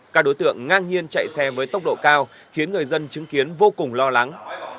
các đối tượng ngang nhiên chạy xe với tốc độ cao khiến người dân chứng kiến vô cùng lo lắng